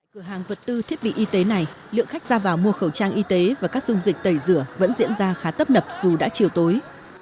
cửa hàng vật tư thiết bị y tế này lượng khách ra vào mua khẩu trang y tế và các dung dịch tẩy rửa vẫn diễn ra khá tấp nập dù đã chiều tối